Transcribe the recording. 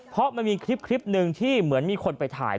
เพราะมันมีคลิปหนึ่งที่เหมือนมีคนไปถ่าย